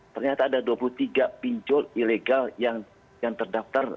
ternyata ada dua puluh tiga pinjol ilegal yang terdaftar atau dalam hentai